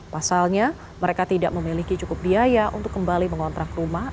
pasalnya mereka tidak memiliki cukup biaya untuk kembali mengontrak rumah